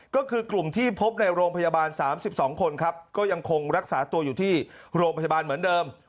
ก็คือกลุ่มที่พบในโรงพยาบาล๓๒คนครับก็ยังคงรักษาตัวอยู่ที่โรงพยาบาลเหมือนเดิม